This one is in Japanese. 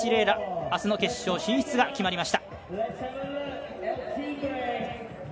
楽、明日の決勝進出が決まりました。